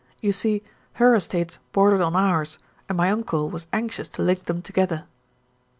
You see, her estates bordered on ours, and my uncle was anxious to link them together."